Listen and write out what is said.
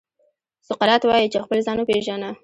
سقراط وايي چې خپل ځان وپېژنه.